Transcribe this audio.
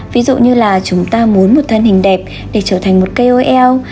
ví dụ như là chúng ta muốn một thân hình đẹp để trở thành một cây ô eo